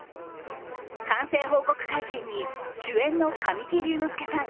完成報告会見に主演の神木隆之介さん